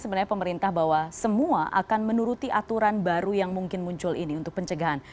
sebenarnya pemerintah bahwa semua akan menuruti aturan baru yang mungkin muncul ini untuk pencegahan